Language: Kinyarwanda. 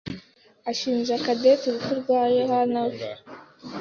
ashinja Cadette urupfu rwa Yohanawe.